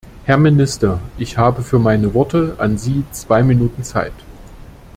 Herr Minister, ich habe für meine Worte an Sie zwei Minuten Zeit.